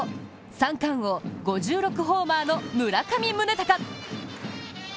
三冠王・５６ホーマーの村上宗隆。